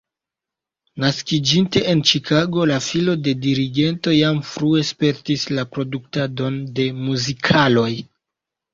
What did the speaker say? Naskiĝinte en Ĉikago, la filo de dirigento jam frue spertis la produktadon de muzikaloj.